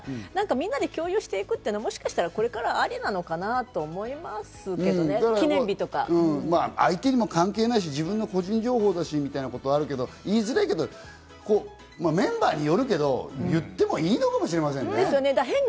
みんなで共有していくっていうのは、これからありなのかなと思いますけどね、記念日とか。個人情報だしみたいなことあるけど、言いづらいけどメンバーによるけど言ってもいいのかもしれないですね。